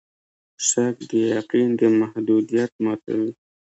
شک د یقین د محدودیت ماتوي.